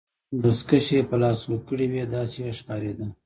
دستکشې يې په لاسو کړي وې، داسې یې ښکاریده.